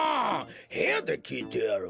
へやできいてやろう。